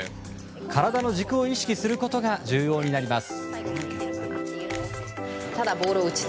体の軸を意識することが重要になります。